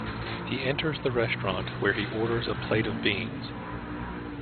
He enters the restaurant, where he orders a plate of beans.